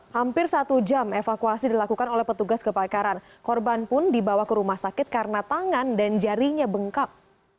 hampir satu jam evakuasi dilakukan oleh petugas kebakaran korban pun dibawa ke rumah sakit karena tangan dan jarinya bengkak